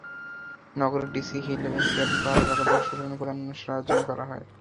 নগরের DC hill এবং CRB পাহাড় এলাকায় বর্ষবরণের প্রধান অনুষ্ঠানের আয়োজন করা হয়।